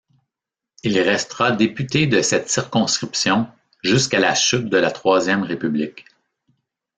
Il restera député de cette circonscription jusqu'à la chute de la Troisième République.